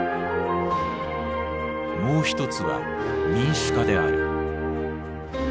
もう一つは民主化である。